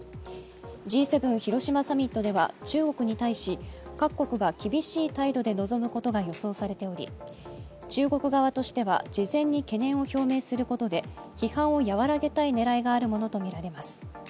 Ｇ７広島サミットでは中国に対し厳しい態度で臨むことが予想されており中国側としては事前に懸念を表明することで批判を和らげたい狙いがあるものとみられます。